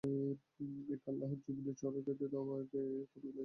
একে আল্লাহর যমীনে চরে খেতে দাও এবং একে কোন ক্লেশ দিও না।